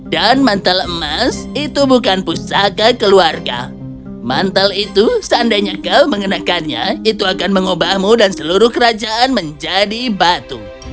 dan mantel emas itu bukan pusaka keluarga mantel itu seandainya kau mengenakannya itu akan mengubahmu dan seluruh kerajaan menjadi batu